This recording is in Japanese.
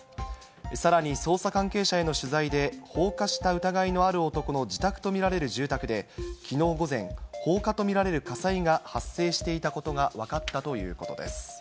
さらに捜査関係者への取材で、放火した疑いのある男の自宅と見られる住宅で、きのう午前、放火と見られる火災が発生していたことが分かったということです。